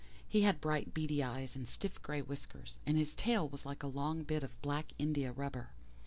He had bright beady eyes and stiff grey whiskers and his tail was like a long bit of black india rubber.